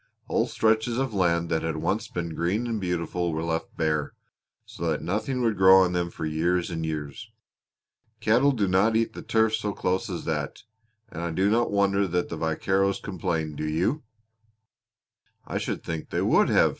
Whole stretches of land that had once been green and beautiful were left bare so that nothing would grow on them for years and years. Cattle do not eat the turf so close as that, and I do not wonder that the vaqueros complained, do you?" "I should think they would have!"